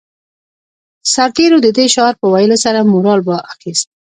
سرتېرو د دې شعار په ويلو سره مورال اخیست